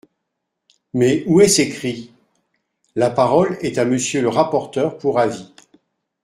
Mais où est-ce écrit ? La parole est à Monsieur le rapporteur pour avis.